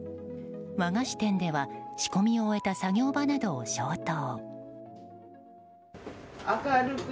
和菓子店では仕込みを終えた作業場などを消灯。